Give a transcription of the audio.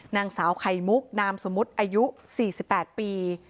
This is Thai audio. นางสาวไข่มุกนามสมมุติอายุ๔๘ปี